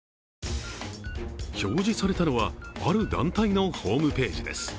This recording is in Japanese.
表示されたのは、ある団体のホームページです。